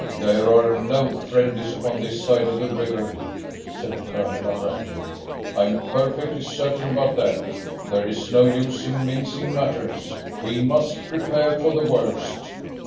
"There are no friendlies upon this side of the river," said the Colonel abruptly; "I am perfectly certain about that. There is no use in mincing matters. We must prepare for the worst."